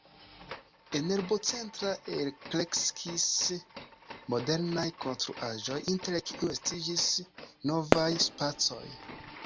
En urbocentro elkreskis modernaj konstruaĵoj, inter kiuj estiĝis novaj spacoj.